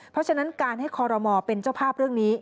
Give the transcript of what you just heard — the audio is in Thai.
เพราะฉะนั้นการให้คอรมอลเป็นเจ้าภาพเรื่องนี้